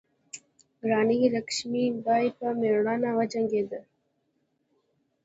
راني لکشمي بای په میړانه وجنګیده.